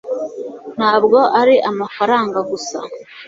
ntabwo ari amafaranga gusa